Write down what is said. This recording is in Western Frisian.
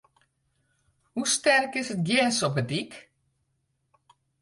Hoe sterk is it gers op de dyk?